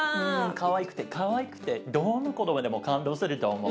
かわいくてかわいくてどんな子どもでも感動すると思う。